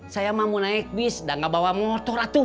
saya mah mau naik bis dan gak bawa motor atuh